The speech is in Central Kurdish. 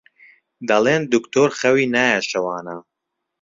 دەڵێن دوکتۆر خەوی نایە شەوانە